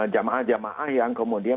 jamaah jamaah yang kemudian